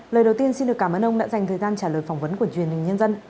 lời đầu tiên xin được cảm ơn ông đã dành thời gian trả lời phỏng vấn của truyền hình nhân dân